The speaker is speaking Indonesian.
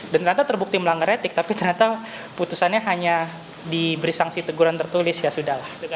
dan ternyata terbukti melanggar etik tapi ternyata putusannya hanya diberi sanksi teguran tertulis ya sudah lah